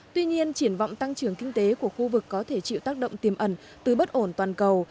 tuy nhiên triển vọng tăng trưởng kinh tế của khu vực có thể chịu tác động tiềm ẩn từ bất ổn toàn cầu